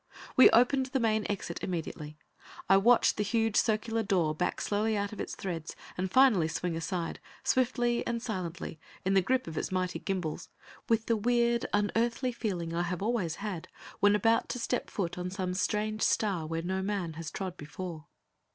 We opened the main exit immediately. I watched the huge, circular door back slowly out of its threads, and finally swing aside, swiftly and silently, in the grip of its mighty gimbals, with the weird, unearthly feeling I have always had when about to step foot on some strange star where no man has trod before.